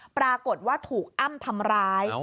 ปรากฏว่าถูกอ้ำทำร้าย